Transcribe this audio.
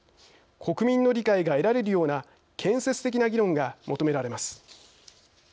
国民の理解が得られるような建設的な議論が求められます。